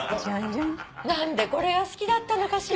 何でこれが好きだったのかしらね。